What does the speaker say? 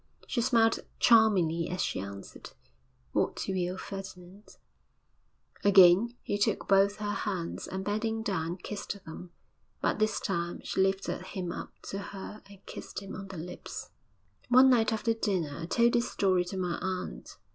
She smiled charmingly as she answered, 'What you will, Ferdinand.' Again he took both her hands, and, bending down, kissed them.... But this time she lifted him up to her and kissed him on the lips. VIII One night after dinner I told this story to my aunt.